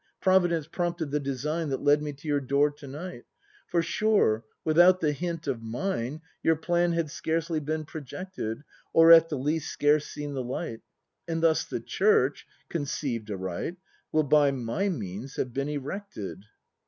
Providence prompted the design That led me to your door to night, For sure, without the hint of mine Your plan had scarcely been projected. Or, at the least, scarce seen the light! And thus the Church, conceived aright. Will by m y means have been erected